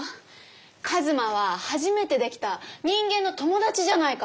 一馬は初めてできた人間の友達じゃないか！